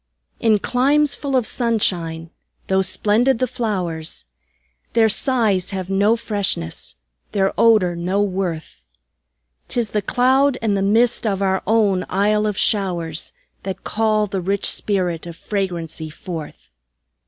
In climes full of sunshine, tho' splendid the flowers, Their sighs have no freshness, their odor no worth; 'Tis the cloud and the mist of our own Isle of showers, That call the rich spirit of fragrancy forth.